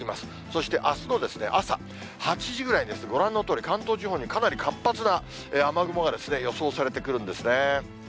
そしてあすの朝８時ぐらいですね、ご覧のとおり、関東地方にかなり活発な雨雲が予想されてくるんですね。